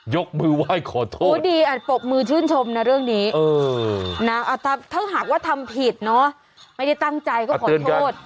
ยกมือไหว้ขอโทษโอ้ดีอาจปรบมือชื่นชมนะเรื่องนี้นะถ้าหากว่าทำผิดเนอะไม่ได้ตั้งใจก็ขอโทษ